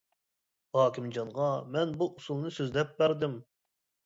ھاكىمجانغا مەن بۇ ئۇسۇلنى سۆزلەپ بەردىم.